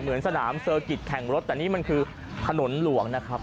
เหมือนสนามเซอร์กิจแข่งรถแต่นี่มันคือถนนหลวงนะครับ